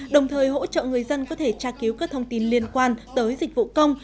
đồng thời hỗ trợ người dân có thể tra cứu các thông tin liên quan tới dịch vụ công